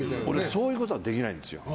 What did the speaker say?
そういうことはできないんです。